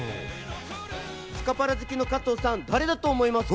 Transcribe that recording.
スカパラ好きの加藤さん、誰だと思いますか？